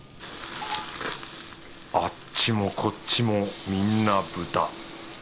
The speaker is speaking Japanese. あっちもこっちもみんな豚。